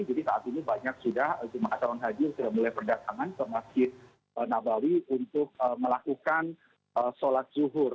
jadi saat ini banyak sudah jemaah asal haji sudah mulai perdagangan ke masjid nabawi untuk melakukan sholat zuhur